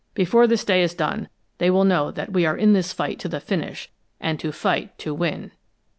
Before this day is done, they will know that we are in this to fight to the finish and to fight to win!"